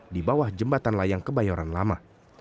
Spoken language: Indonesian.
di bawah jembatan layang kebayoran lama